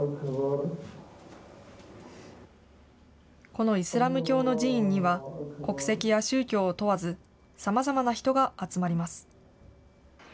このイスラム教の寺院には、国籍や宗教を問わず、さまざまな人が集まります。